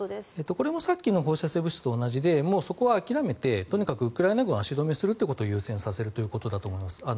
これもさっきの放射性物質と同じでもうそこは諦めてとにかくウクライナ軍を足止めするということを優先させるということだと思います。